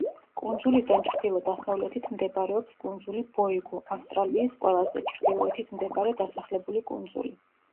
კუნძულიდან ჩრდილო-დასავლეთით მდებარეობს კუნძული ბოიგუ, ავსტრალიის ყველაზე ჩრდილოეთით მდებარე დასახლებული კუნძული.